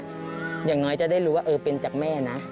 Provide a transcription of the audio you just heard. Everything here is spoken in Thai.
อย่างน้อยจะได้รู้ว่าเออเป็นจากแม่นะ